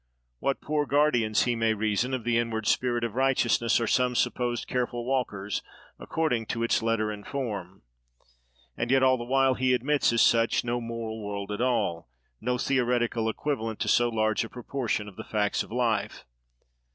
what poor guardians (he may reason) of the inward spirit of righteousness, are some supposed careful walkers according to its letter and form. And yet all the while he admits, as such, no moral world at all: no theoretic equivalent to so large a proportion of the facts of life.